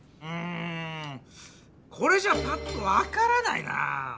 うんこれじゃパッとわからないなぁ。